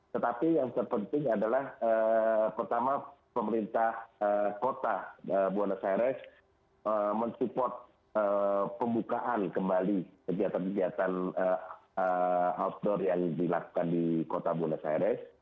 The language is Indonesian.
tetapi yang terpenting adalah pertama pemerintah kota buana seres mensupport pembukaan kembali kegiatan kegiatan outdoor yang dilakukan di kota bunda seres